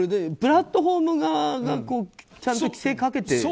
プラットフォーム側がちゃんと規制をかけて。